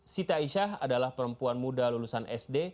siti aisyah adalah perempuan muda lulusan sd